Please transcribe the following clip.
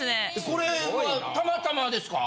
これはたまたまですか？